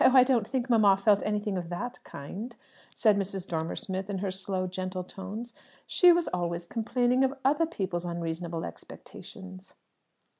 "Oh, I don't think mamma felt anything of that kind," said Mrs. Dormer Smith in her slow, gentle tones; "she was always complaining of other people's unreasonable expectations."